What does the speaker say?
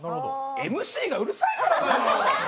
ＭＣがうるさいからだよ。